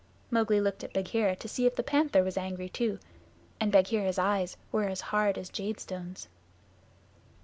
Mowgli looked at Bagheera to see if the Panther was angry too, and Bagheera's eyes were as hard as jade stones.